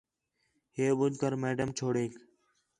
ہے ٻُجھ کر میڈم چھوریک